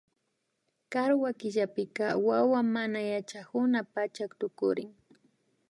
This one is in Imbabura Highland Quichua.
Karwa killapika wawa manayachakuna pachak tukurin